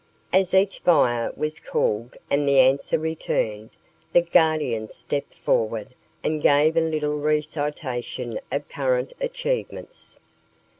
As each Fire was called and the answer returned, the Guardian stepped forward and gave a little recitation of current achievements.